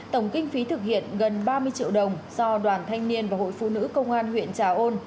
tổng kinh phí thực hiện gần ba mươi triệu đồng do đoàn thanh niên và hội phụ nữ công an huyện trà ôn